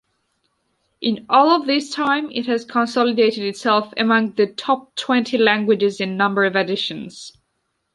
In all of this time it has consolidated itself among the top twenty languages in number of editions.